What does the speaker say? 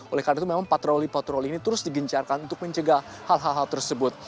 oleh karena itu memang patroli patroli ini terus digencarkan untuk mencegah hal hal tersebut